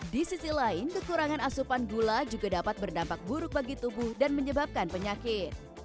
di sisi lain kekurangan asupan gula juga dapat berdampak buruk bagi tubuh dan menyebabkan penyakit